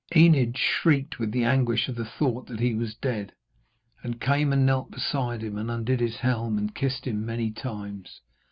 Enid shrieked with the anguish of the thought that he was dead, and came and knelt beside him and undid his helm and kissed him many times.